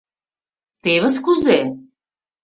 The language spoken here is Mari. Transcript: — Тевыс кузе!